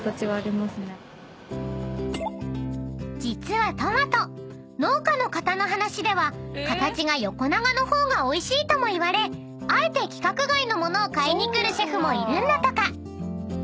［実はトマト農家の方の話では形が横長の方がおいしいともいわれあえて規格外の物を買いに来るシェフもいるんだとか］